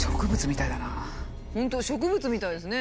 本当植物みたいですね。